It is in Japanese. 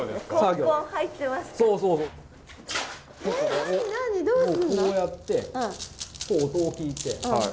こうやってこう音を聞いて。